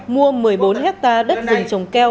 mua một mươi bốn hectare đất rừng trồng keo